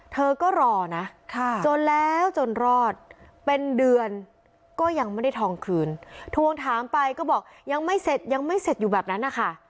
เธอก็รอนะจนแล้วจนรอดเป็นเดือนก็ยังไม่ได้ทองคืนทวงถามไปก็บอกยังไม่เสร็จยังไม่เสร็จอยู่แบบนั้นนะคะ